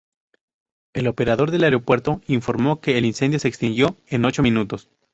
El operador del aeropuerto informó que el incendio se extinguió en ocho minutos.